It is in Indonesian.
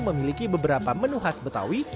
memiliki beberapa menu khas betawi